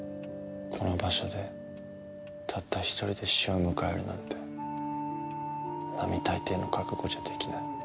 この場所でたった一人で死を迎えるなんて並大抵の覚悟じゃ出来ない。